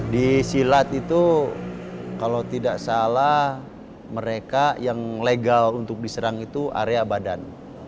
di silat itu kalau tidak salah mereka yang legal untuk diserang itu area badan